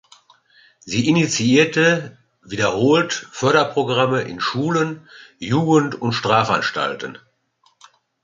Sie initiierte wiederholt Förderprogramme in Schulen, Jugend- und Strafanstalten.